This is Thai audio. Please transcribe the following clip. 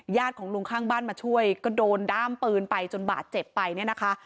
ของลุงข้างบ้านมาช่วยก็โดนด้ามปืนไปจนบาดเจ็บไปเนี่ยนะคะ